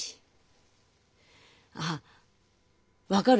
あっ分かる？